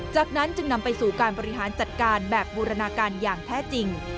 จากนั้นจึงนำไปสู่การบริหารจัดการแบบบูรณาการอย่างแท้จริง